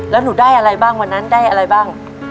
แล้วหนูได้อะไรบ้างวันนั้นได้อะไรบ้าง